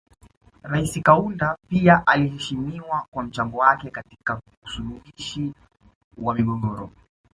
Rais Kaunda pia aliheshimiwa kwa mchango wake katika usuluhishi wa migogoro